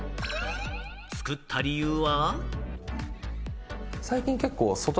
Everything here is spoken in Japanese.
作った理由は？